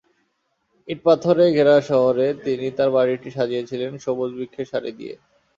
ইট-পাথরে ঘেরা শহরে তিনি তাঁর বাড়িটি সাজিয়েছিলেন সবুজ বৃক্ষের সারি দিয়ে।